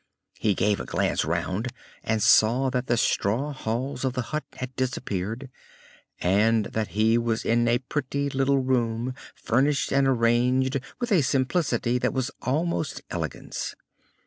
He gave a glance round and saw that the straw walls of the hut had disappeared, and that he was in a pretty little room furnished and arranged with a simplicity that was almost elegance.